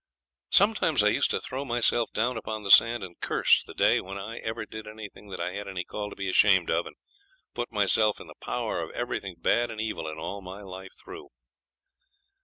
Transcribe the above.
Sometimes I used to throw myself down upon the sand and curse the day when I ever did anything that I had any call to be ashamed of and put myself in the power of everything bad and evil in all my life through.